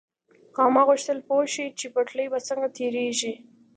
خاما غوښتل پوه شي چې پټلۍ به څنګه تېرېږي.